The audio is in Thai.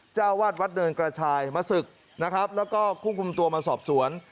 เจ้าวาดวัดเนินกระชายมาศึกนะครับแล้วก็ควบคุมตัวมาสอบสวน